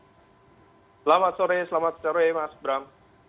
selamat sore selamat sore mas bram